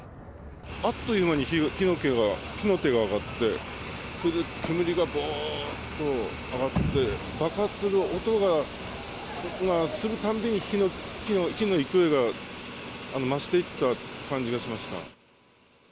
あっという間に火の手が上がって、それで煙がごーっと上がって、爆発する音がするたんびに、火の勢いが増していった感じがしました。